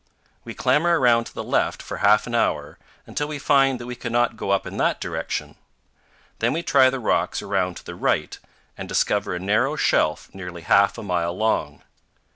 We clamber around to the left for half an hour, until we find that we cannot go up in that direction. Then we try the rocks around to the right and discover a narrow shelf nearly half a mile long.